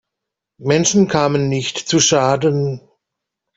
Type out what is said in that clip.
Menschen kamen nicht zu Schaden.